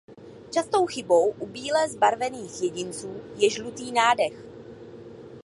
Častou chybou u bíle zbarvených jedinců je žlutý nádech.